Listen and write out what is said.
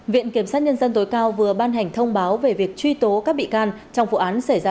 viện kiểm sát nhân dân tối cao vừa ban hành thông báo về việc truy tố các bị can trong vụ án xảy ra